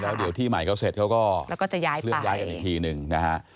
แล้วเดี๋ยวที่ใหม่เขาเสร็จเขาก็จะย้ายกันอีกทีหนึ่งนะฮะ